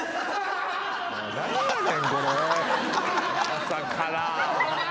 朝から。